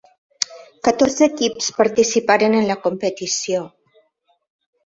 Catorze equips participaren en la competició.